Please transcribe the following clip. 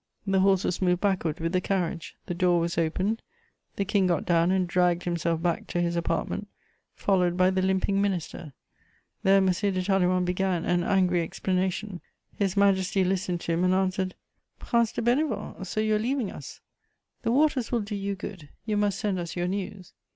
The horses moved backward with the carriage; the door was opened, the King got down and dragged himself back to his apartment, followed by the limping minister. There M. de Talleyrand began an angry explanation. His Majesty listened to him, and answered: "Prince de Bénévent, so you're leaving us? The waters will do you good: you must send us your news."